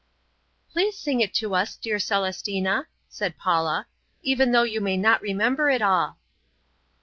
"Please sing it to us, dear Celestina," said Paula, "even though you may not remember it all."